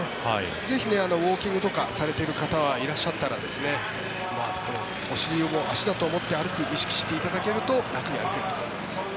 ぜひウォーキングとかされている方がいらっしゃったらお尻も足だと思って歩いて意識していただくと楽に歩けます。